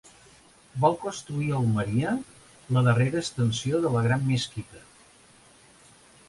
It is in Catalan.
Va construir a Almeria la darrera extensió de la gran mesquita.